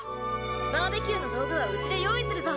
バーベキューの道具はうちで用意するぞ。